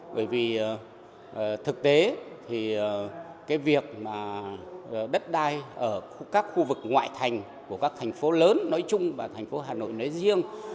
bởi vì thực tế thì cái việc mà đất đai ở các khu vực ngoại thành của các thành phố lớn nói chung và thành phố hà nội nói riêng